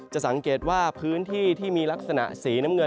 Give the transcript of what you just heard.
สังเกตว่าพื้นที่ที่มีลักษณะสีน้ำเงิน